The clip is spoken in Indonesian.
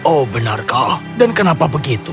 oh benarkah dan kenapa begitu